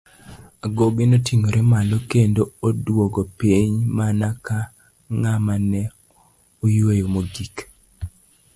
Agoge noting'ore malo kendo oduogo piny mana ka ng'ama ne yueyo mogik.